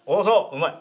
うまい。